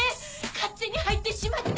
勝手に入ってしまって！